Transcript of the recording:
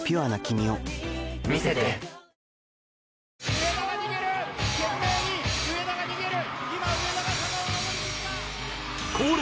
上田が逃げる懸命に上田が逃げる